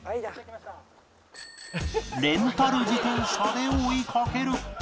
レンタル自転車で追いかける